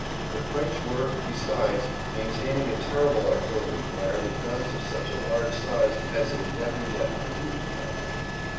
The French were, besides, maintaining a terrible artillery fire with guns of such a large size as had never yet been used by them.